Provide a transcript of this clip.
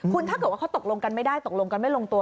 คุณถ้าเกิดว่าเขาตกลงกันไม่ได้ตกลงกันไม่ลงตัว